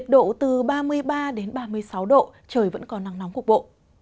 ba mươi sáu độ trời vẫn còn nắng nóng cục bộ